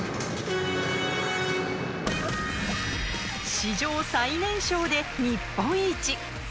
史上最年少で日本一！